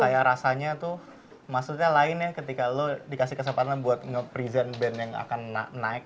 kayak rasanya tuh maksudnya lain ya ketika lo dikasih kesempatan buat nge present band yang akan naik